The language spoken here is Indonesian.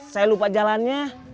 saya lupa jalannya